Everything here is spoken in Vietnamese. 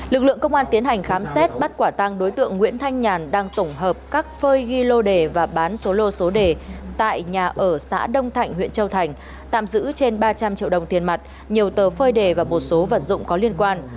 lực lượng công an tiến hành khám xét bắt quả tăng đối tượng nguyễn thanh nhàn đang tổng hợp các phơi ghi lô đề và bán số lô số đề tại nhà ở xã đông thạnh huyện châu thành tạm giữ trên ba trăm linh triệu đồng tiền mặt nhiều tờ phơi đề và một số vật dụng có liên quan